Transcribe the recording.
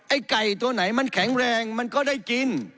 ไอ้ไก่ตัวไหนมันแข็งแรงมันก็ได้กิน